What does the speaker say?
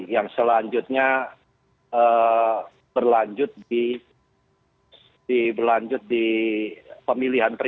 yang selanjutnya berlanjut di pemilihan